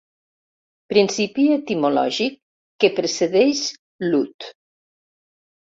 Principi etimològic que precedeix l'ut.